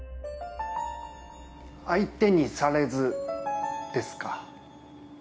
相手にされずですか。